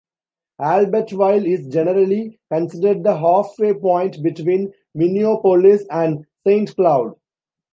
Albertville is generally considered the halfway point between Minneapolis and Saint Cloud.